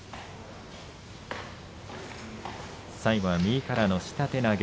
最後は右からの下手投げ。